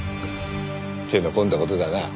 手の込んだ事だな。